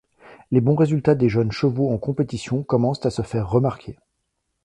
Les bons résultats des jeunes chevaux en compétition commencent à se faire remarquer.